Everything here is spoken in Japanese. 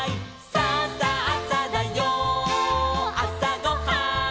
「さあさあさだよあさごはん」